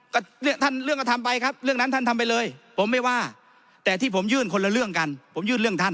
ก็ท่านเรื่องก็ทำไปครับเรื่องนั้นท่านทำไปเลยผมไม่ว่าแต่ที่ผมยื่นคนละเรื่องกันผมยื่นเรื่องท่าน